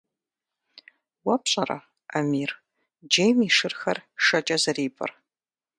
Уэ пщӀэрэ, Амир, джейм и шырхэр шэкӀэ зэрипӀыр?